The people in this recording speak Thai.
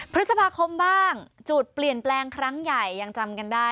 พฤษภาคมบ้างจุดเปลี่ยนแปลงครั้งใหญ่ยังจำกันได้